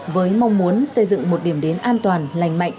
với mong muốn xây dựng một điểm đến an toàn lành mạnh